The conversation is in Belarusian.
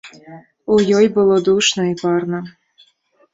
У ёй было душна і парна.